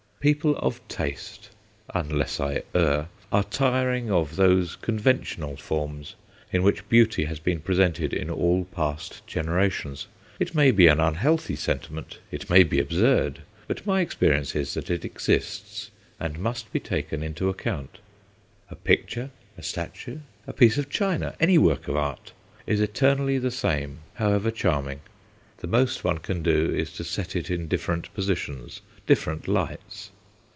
People of taste, unless I err, are tiring of those conventional forms in which beauty has been presented in all past generations. It may be an unhealthy sentiment, it may be absurd, but my experience is that it exists and must be taken into account. A picture, a statue, a piece of china, any work of art, is eternally the same, however charming. The most one can do is to set it in different positions, different lights.